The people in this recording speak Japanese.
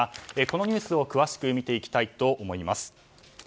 このニュースを詳しく見ていきたいと思います。